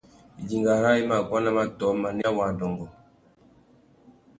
Idinga râā i mà guá nà matōh, manéya wa adôngô.